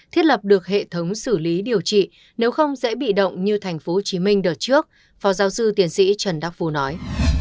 thiết lập được hệ thống xử lý điều trị nếu không dễ bị động như tp hcm đợt trước phó giáo sư tiến sĩ trần đắc phu nói